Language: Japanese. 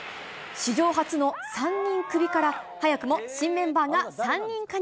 史上初の３人クビから、早くも新メンバーが３人加入。